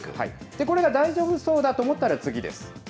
これが大丈夫そうだと思ったら次です。